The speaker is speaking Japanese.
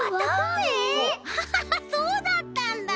ハハハそうだったんだ！